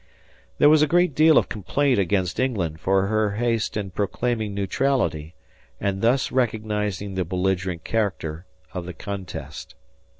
There was a great deal of complaint against England for her haste in proclaiming neutrality and thus recognizing the belligerent character of the contest.